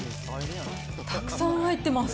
たくさん入ってます。